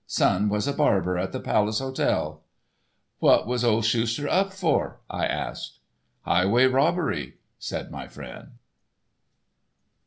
Son was a barber at the Palace Hotel." "What was old Schuster up for?" I asked. "Highway robbery," said my friend.